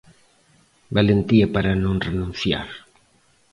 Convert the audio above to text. Valentía para non renunciar.